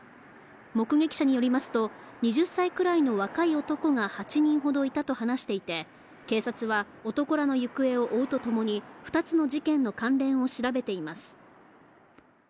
目撃者によりますと、２０歳くらいの若い男が８人ほどいたと話していて、警察は男らの行方を追うとともに２つの事件の関連を調べています。